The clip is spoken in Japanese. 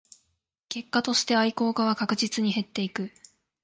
結果として愛好家は確実に減っていく